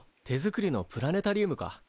手作りのプラネタリウムか。